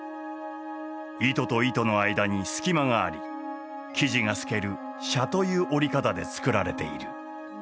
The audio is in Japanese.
糸と糸の間に隙間があり生地が透ける紗という織り方で作られている。